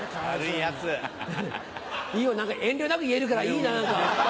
いいよ何か遠慮なく言えるからいいな何か。